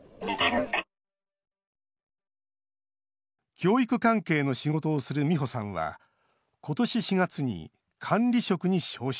教育関係の仕事をするミホさんはことし４月に管理職に昇進。